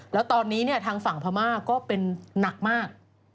แล้วตอนนี้ทางฝั่งพม่าก็เป็นหนักมาก